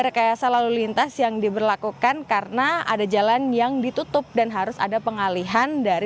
rekayasa lalu lintas yang diberlakukan karena ada jalan yang ditutup dan harus ada pengalihan dari